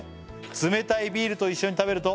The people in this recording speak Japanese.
「冷たいビールと一緒に食べると」